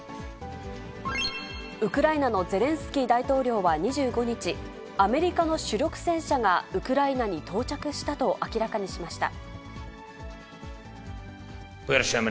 ウクライナのゼレンスキー大統領は２５日、アメリカの主力戦車がウクライナに到着したと明らかにしました。